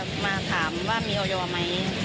เค้ามาถามว่ามีอโยวะไหม